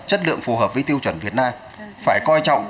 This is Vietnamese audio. chất lượng phù hợp với tiêu chuẩn việt nam phải coi trọng